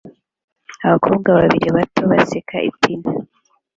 Abakobwa babiri bato baseka ipine